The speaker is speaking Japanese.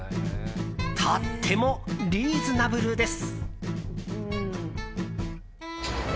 とってもリーズナブルです。